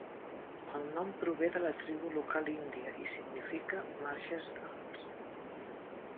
El nom prové de la tribu local índia i significa marges alts.